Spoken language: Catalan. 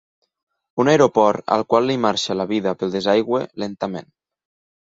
Un aeroport al qual li marxa la vida pel desaigüe lentament.